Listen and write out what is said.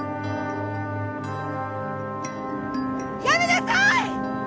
やめなさい！！